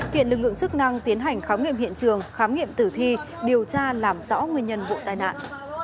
hiện lực lượng chức năng tiến hành khám nghiệm hiện trường khám nghiệm tử thi điều tra làm rõ nguyên nhân vụ tai nạn